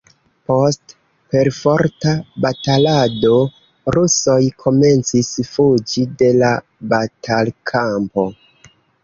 Post perforta batalado rusoj komencis fuĝi de la batalkampo.